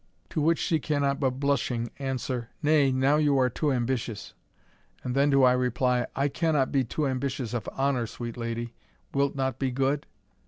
To which she cannot but blushing answer, 'Nay, now you are too ambitious;' and then do I reply, 'I cannot be too ambitious of Honour, sweet lady. Wilt not be good?'"